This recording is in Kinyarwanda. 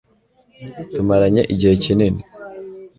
tumaranye igihe kinini